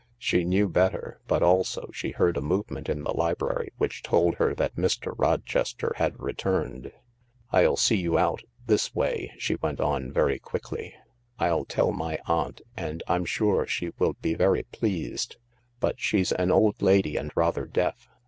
She knew better, but also she heard a movement in the library which toJd her that Mr. Rochester had returned. " I'll see you out— this way," she went on very quickly. " I'll tellmy aunt, and I'm sure she will be very pleased, but she's an old lady and rather deaf.